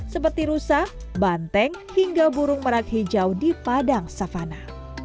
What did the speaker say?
seperti rusa banteng hingga burung merak hijau di padang savana